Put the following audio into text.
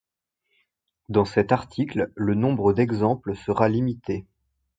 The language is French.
Dans cet article, le nombre d'exemples sera limité.